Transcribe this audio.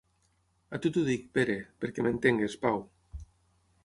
A tu t'ho dic, Pere, perquè m'entenguis, Pau.